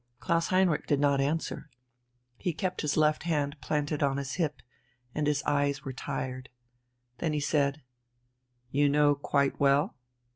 Klaus Heinrich did not answer. He kept his left hand planted on his hip, and his eyes were tired. Then he said: "You know quite well?